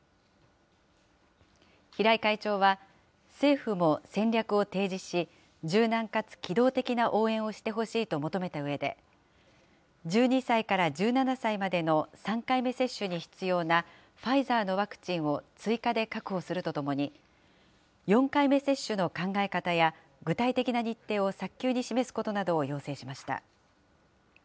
平井会長は、政府も戦略を提示し、柔軟かつ機動的な応援をしてほしいと求めたうえで、１２歳から１７歳までの３回目接種に必要なファイザーのワクチンを追加で確保するとともに、４回目接種の考え方や、具体的な日程を早急に示すことなどを要請しました。